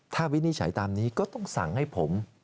ถ้าวินิจฉัยตามนี้ก็ต้องสั่งให้ผม